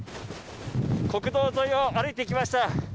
国道沿いを歩いてきました。